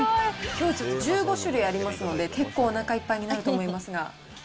きょうちょっと、１５種類ありますので、結構おなかいっぱいになると思いますが。